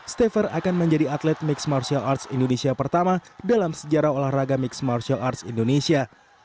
staffer akan menjadi atlet mixed martial arts indonesia pertama dalam sejarah olahraga mixed martial arts indonesia